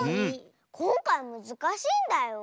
こんかいむずかしいんだよ。